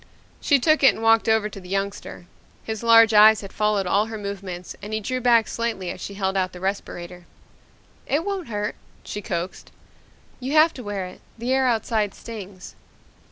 She took it and walked over to the youngster. His large eyes had followed all her movements and he drew back slightly as she held out the respirator. "It won't hurt," she coaxed. "You have to wear it. The air outside stings."